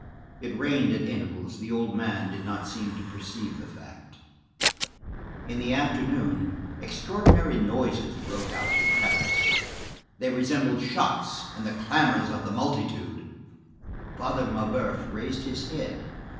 It rained at intervals; the old man did not seem to perceive the fact. In the afternoon, extraordinary noises broke out in Paris. They resembled shots and the clamors of a multitude. Father Mabeuf raised his head.